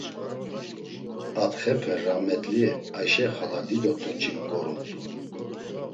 Atxepe ramet̆li Aşe Xalak dido toç̌i ǩorumt̆u.